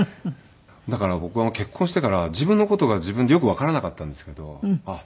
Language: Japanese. だから僕は結婚してから自分の事が自分でよくわからなかったんですけどあっ